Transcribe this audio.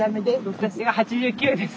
私は８９です。